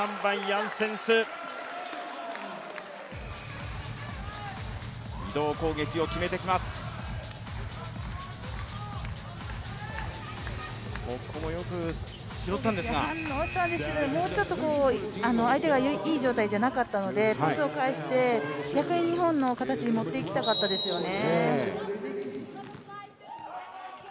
よく反応したんですけどね、もうちょっと相手がいい状態ではなかったのでトスを返して、逆に日本の形に持っていきたかったですよね。